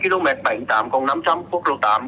khi mái ta luy dương km bảy mươi tám năm trăm linh quốc lộ tám